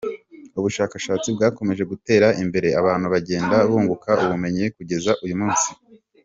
Ubushakashatsi bwakomeje gutera imbere abantu bagenda bunguka ubumenyi kugeza uyu munsi.